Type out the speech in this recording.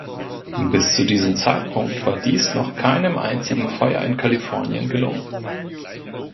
Bis zu diesem Zeitpunkt war dies noch keinem einzigen Feuer in Kalifornien gelungen.